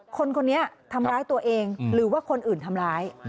คนคนนี้ทำร้ายตัวเองหรือว่าคนอื่นทำร้าย